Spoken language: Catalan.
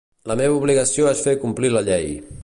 La meva obligació és fer complir la llei.